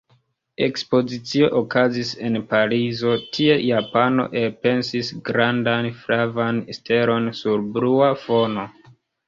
Ekspozicio okazis en Parizo: tie japano elpensis grandan flavan stelon sur blua fono.